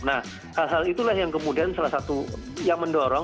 nah hal hal itulah yang kemudian salah satu yang mendorong